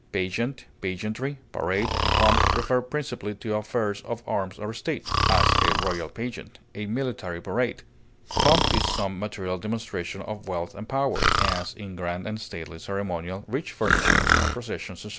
Pageant, pageantry, parade, and pomp refer principally to affairs of arms or state; as, a royal pageant; a military parade. Pomp is some material demonstration of wealth and power, as in grand and stately ceremonial, rich furnishings, processions, etc.